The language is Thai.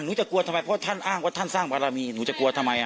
หนูจะกลัวทำไมเพราะท่านอ้างว่าท่านสร้างบารมีหนูจะกลัวทำไม